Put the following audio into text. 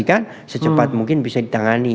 mungkin anda konsultasikan secepat mungkin bisa ditangani